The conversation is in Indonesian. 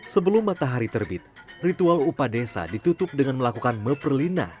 sebelum matahari terbit ritual upadesa ditutup dengan melakukan meperlina